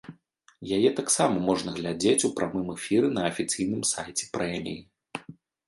Яе таксама можна глядзець у прамым эфіры на афіцыйным сайце прэміі.